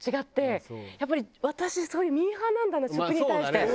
やっぱり私そういうミーハーなんだな食に対して。